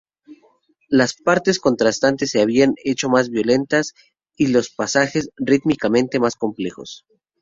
Las partes contrastantes se habían hecho más violentas y los pasajes rítmicamente más complejos.